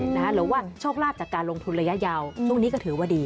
หรือว่าโชคลาภจากการลงทุนระยะยาวช่วงนี้ก็ถือว่าดี